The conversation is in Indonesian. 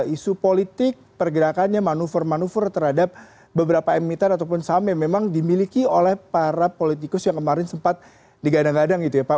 isu politik pergerakannya manuver manuver terhadap beberapa emiten ataupun saham yang memang dimiliki oleh para politikus yang kemarin sempat digadang gadang gitu ya pak